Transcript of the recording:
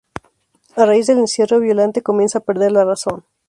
A raíz del encierro, Violante comienza a perder la razón.